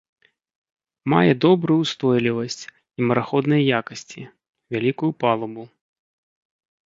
Мае добрую ўстойлівасць і мараходныя якасці, вялікую палубу.